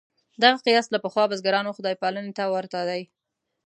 دغه قیاس له پخوا بزګرانو خدای پالنې ته ورته دی.